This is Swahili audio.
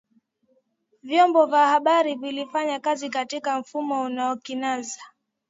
Vyombo vya habari vilifanya kazi katika mfumo unaokinzana